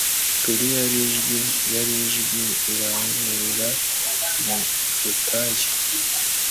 kubwe yari ijwi, yari ijwi rirangururira mu butayu